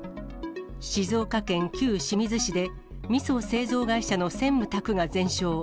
静岡県旧清水市でみそ製造会社の専務宅が全焼。